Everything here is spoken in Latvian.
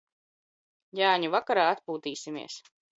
Jāņu vakarā atpūtīsimies.